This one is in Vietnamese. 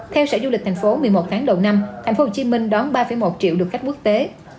theo sở du lịch tp hcm một mươi một tháng đầu năm tp hcm đón ba một triệu được khách quốc tế